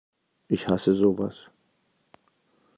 Ich hasse sowas!